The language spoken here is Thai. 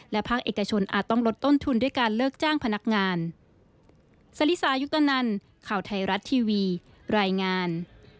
และภาคเอกชนอาจต้องลดต้นทุนด้วยการเลิกจ้างพนักงาน